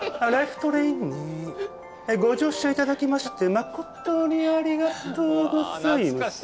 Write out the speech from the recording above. トレインにご乗車いただきまして誠にありがとうございます。